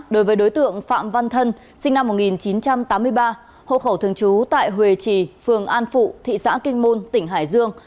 đối với đối tượng phạm văn thân sinh năm một nghìn chín trăm tám mươi ba hộ khẩu thường trú tại huê trì phường an phụ thị xã kinh môn tỉnh hải dương